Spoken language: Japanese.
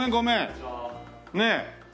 ねえ。